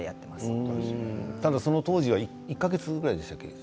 その当時は１か月ぐらいでした。